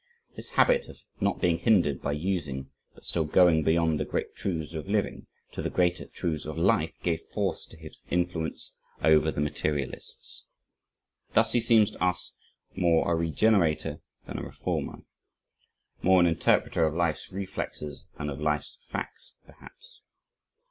This habit of not being hindered by using, but still going beyond the great truths of living, to the greater truths of life gave force to his influence over the materialists. Thus he seems to us more a regenerator than a reformer more an interpreter of life's reflexes than of life's facts, perhaps.